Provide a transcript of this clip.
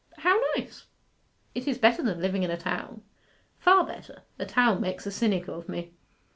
'How nice! It is better than living in a town.' 'Far better. A town makes a cynic of me.